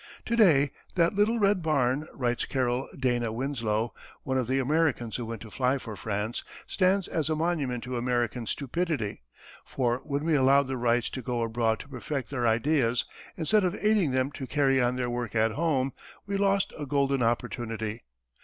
"To day that little red barn," writes Carroll Dana Winslow, one of the Americans who went to fly for France, "stands as a monument to American stupidity, for when we allowed the Wrights to go abroad to perfect their ideas instead of aiding them to carry on their work at home we lost a golden opportunity.